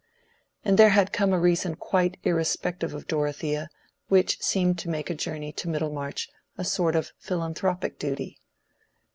And there had come a reason quite irrespective of Dorothea, which seemed to make a journey to Middlemarch a sort of philanthropic duty.